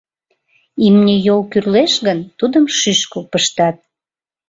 Имне йол кӱрлеш гын, тудым шӱшкыл пыштат.